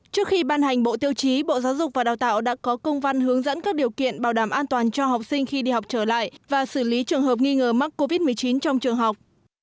trước khi ban hành bộ tiêu chí bộ giáo dục và đào tạo đã có công văn hướng dẫn các điều kiện bảo đảm an toàn cho học sinh khi đi học trở lại và xử lý trường hợp nghi ngờ mắc covid một mươi chín trong trường học